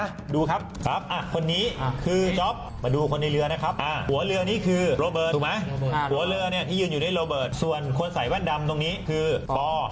หัวเรือที่ยืนอยู่ในโรเบิร์ตส่วนคนใส่แว่นดำตรงนี้คือปอร์